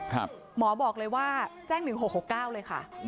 หมอบอกเลยว่าแจ้ง๑๖๖๙เลยค่ะ